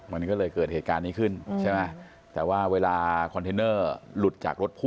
มันก็เลยเกิดเหตุการณ์นี้ขึ้นใช่ไหมแต่ว่าเวลาคอนเทนเนอร์หลุดจากรถพ่